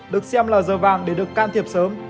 được xem là giờ vàng để được can thiệp sớm